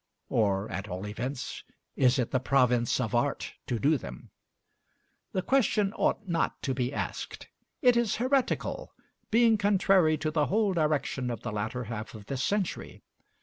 or at all events, is it the province of art to do them? The question ought not to be asked. It is heretical, being contrary to the whole direction of the latter half of this century.